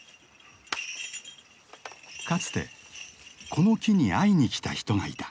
かつてこの木に会いにきた人がいた。